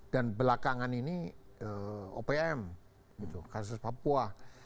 dan belakangan ini opm gitu kasus papua